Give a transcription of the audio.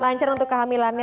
lancar untuk kehamilannya